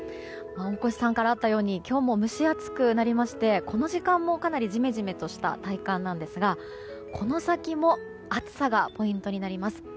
大越さんからあったように今日も蒸し暑くなりましてこの時間もかなりジメジメとした体感なんですがこの先も暑さがポイントになります。